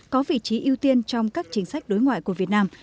có vị trí ưu tiên trong các chính sách đối ngoại của việt nam